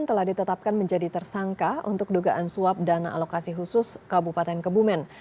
telah ditetapkan menjadi tersangka untuk dugaan suap dana alokasi khusus kabupaten kebumen